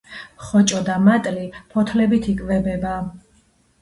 ხოჭო და მატლი ფოთლებით იკვებება.